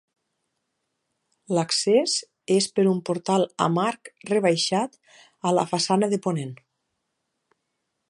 L'accés és per un portal amb arc rebaixat a la façana de ponent.